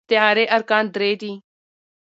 د استعارې ارکان درې دي.